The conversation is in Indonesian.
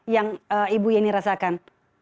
yang ibu yani rasakan